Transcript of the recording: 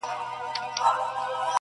پرېږده جهاني دا د نیکه او د اباکیسې-